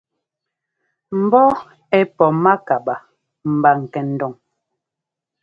Mbɔ́ ɛ́ pɔ mákabaa mba kɛndon.